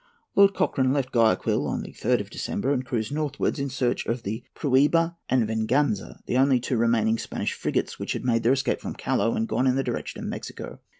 Lord Cochrane left Guayaquil on the 3rd of December, and cruised northwards in search of the Prueba and the Venganza, the only two remaining Spanish frigates, which had made their escape from Callao and gone in the direction of Mexico.